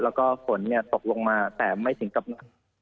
แล้วก็ฝนตกลงมาแต่ไม่สิ่งกับน้ำ